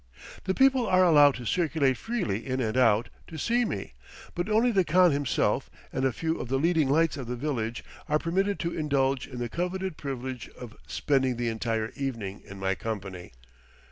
The people are allowed to circulate freely in and out to see me, but only the Khan himself and a few of the leading lights of the village are permitted to indulge in the coveted privilege of spending the entire evening in my company.